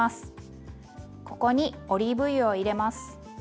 ここにオリーブ油を入れます。